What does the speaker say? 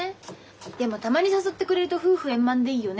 でもたまに誘ってくれると夫婦円満でいいよね。